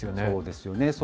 そうですよね。